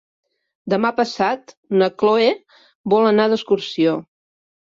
Demà passat na Cloè vol anar d'excursió.